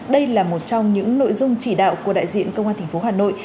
đây là một trong những nội dung chỉ đạo của đại diện công an tp hà nội